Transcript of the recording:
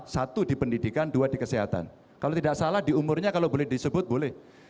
satu di pendidikan dua di kesehatan kalau tidak salah di umurnya kalau boleh disebut boleh